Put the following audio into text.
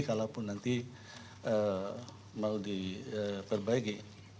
kalaupun nanti mau diperbaiki